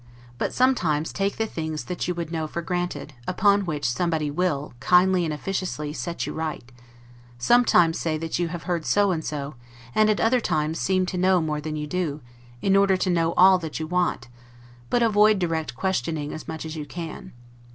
But sometimes take the things that you would know for granted; upon which somebody will, kindly and officiously, set you right: sometimes say that you have heard so and so; and at other times seem to know more than you do, in order to know all that you want; but avoid direct questioning as much as you can.